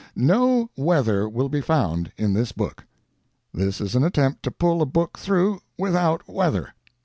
No weather will be found in this book. This is an attempt to pull a book through without weather.